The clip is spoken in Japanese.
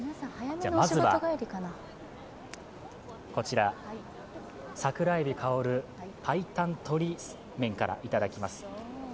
まずはこちら、桜海老香る白湯鶏麺からいただきます。